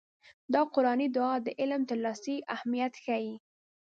دا قرآني دعا د علم ترلاسي اهميت ښيي.